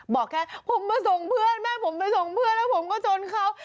บอกแค่ผมมาส่งเพื่อนแม่ผมไปส่งเพื่อนแล้วผมก็ชนเขา